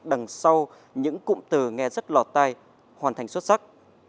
đằng sau những cụm từ nghe rất lò tay hoàn thành xuất sắc